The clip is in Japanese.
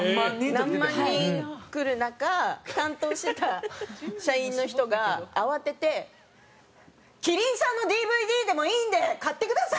何万人来る中担当してた社員の人が慌てて「麒麟さんのＤＶＤでもいいんで買ってください！」って言って。